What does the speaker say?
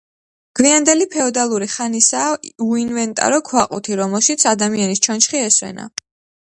გვიანდელი ფეოდალური ხანისაა უინვენტარო ქვაყუთი, რომელშიც ადამიანის ჩონჩხი ესვენა.